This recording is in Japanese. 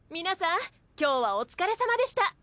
皆さん今日はお疲れさまでした。